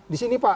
di sini pak